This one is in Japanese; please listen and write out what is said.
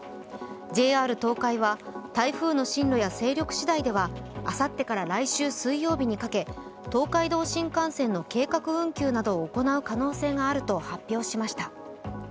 ＪＲ東海は台風の進路や勢力次第ではあさってから来週水曜日にかけ東海道新幹線の計画運休などを行う可能性があると発表しました。